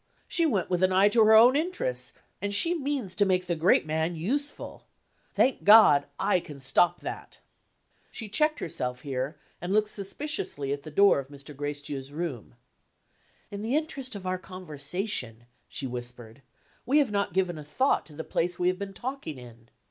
she went with an eye to her own interests; and she means to make the great man useful. Thank God, I can stop that!" She checked herself there, and looked suspiciously at the door of Mr. Gracedieu's room. "In the interest of our conversation," she whispered, "we have not given a thought to the place we have been talking in.